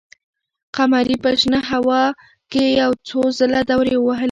قمري په شنه هوا کې یو څو ځله دورې ووهلې.